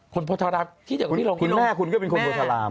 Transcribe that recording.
โพธารามคุณแม่คุณก็เป็นคนโพธาราม